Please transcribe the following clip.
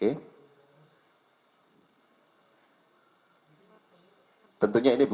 tentunya ini bukan pendapat penyidik ya